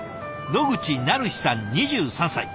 野口愛陽さん２３歳。